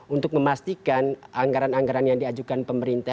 untuk memastikan anggaran anggaran yang diajukan pemerintah